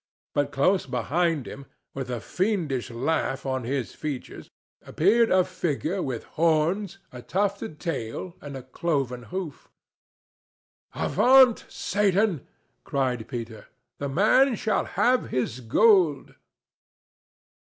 But close behind him, with a fiendish laugh on his features, appeared a figure with horns, a tufted tail and a cloven hoof. "Avaunt, Satan!" cried Peter. "The man shall have his gold."